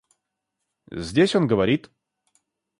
Здесь он говорит...